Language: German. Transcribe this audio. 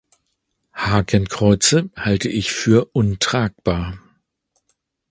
Hakenkreuze halte ich für untragbar.